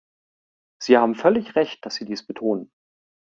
Sie haben völlig Recht, dass Sie dies betonen.